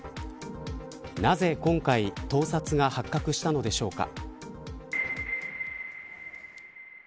なぜ今回盗撮が発覚したのでしょうか。